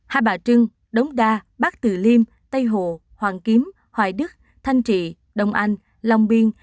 hai bà trưng đống đa bác từ liêm tây hồ hoàng kiếm hoài đức thanh trị đồng anh lòng biên